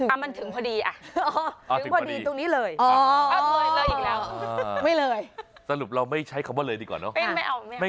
มันถึงพอดีอ่ะถึงพอดีตรงนี้เลยอีกแล้วไม่เลยสรุปเราไม่ใช้คำว่าเลยดีกว่าเนอะ